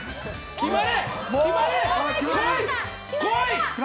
決まれ！